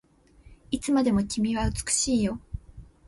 いつまでも君は美しいよ